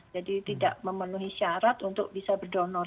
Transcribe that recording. jadi tidak memenuhi syarat untuk bisa berdonor